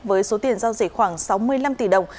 với số tiền giao dịch khoảng sáu mươi năm tỷ đồng